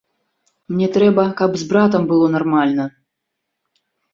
Мне трэба, каб з братам было нармальна.